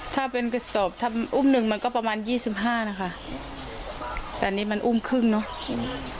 ถ้าเป็นกระสอบทำอุ้มหนึ่งมันก็ประมาณยี่สิบห้านะคะแต่อันนี้มันอุ้มครึ่งเนอะ